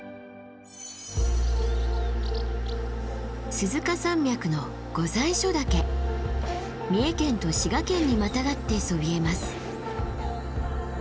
鈴鹿山脈の三重県と滋賀県にまたがってそびえます。